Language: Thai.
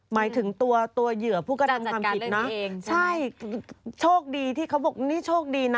หมายถึงตัวตัวเหยื่อผู้กระทำความผิดนะใช่โชคดีที่เขาบอกนี่โชคดีนะ